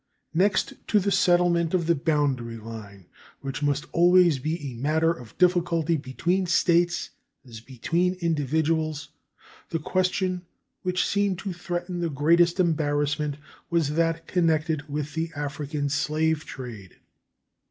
Next to the settlement of the boundary line, which must always be a matter of difficulty between states as between individuals, the question which seemed to threaten the greatest embarrassment was that connected with the African slave trade.